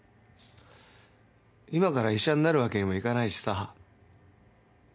今から医者になるわけにもいかないしさ。